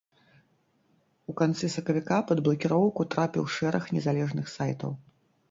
У канцы сакавіка пад блакіроўку трапіў шэраг незалежных сайтаў.